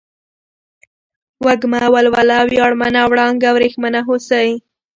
وږمه ، ولوله ، وياړمنه ، وړانگه ، ورېښمينه ، هوسۍ